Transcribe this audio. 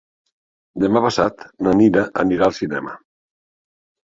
Demà passat na Nina anirà al cinema.